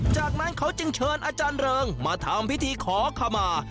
จากนั้นเขาจึงเชิญอาจารย์เริงมาทำพิธีขอขมา